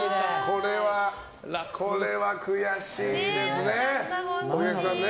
これは悔しいですね、お客さん。